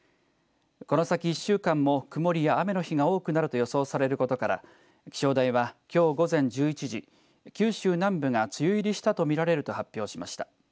この先１週間も曇りや雨の日が多くなると予想されることから気象台はきょう午前１１時九州南部が梅雨入りしたと見られると発表しました。